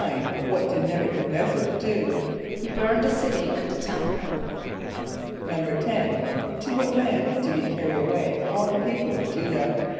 = What did N[)e]b u chad n[)e]z´zar do? =He burned the city and the temple.= =10.= To what land did he carry away all the people of J[=u]´dah?